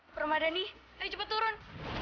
permadani cepet turun